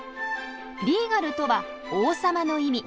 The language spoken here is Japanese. リーガルとは「王様」の意味。